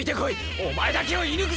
お前だけを射抜くぞ！